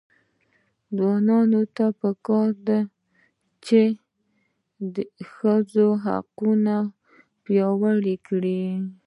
ځوانانو ته پکار ده چې، ښځو حقونه وپیاوړي کړي.